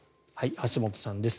橋本さんです。